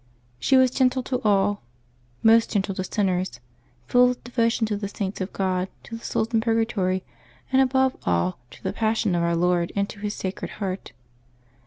She was gentle to all, most gentle to sinners ; filled with devotion to the Saints of God, to the souls in purgator}^, and above all to the Passion of Our Lord and to His Sacred Heart.